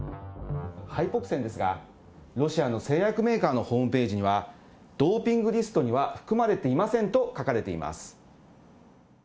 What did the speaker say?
ハイポキセンですが、ロシアの製薬メーカーのホームページには、ドーピングリストには含まれていませんと書かれています。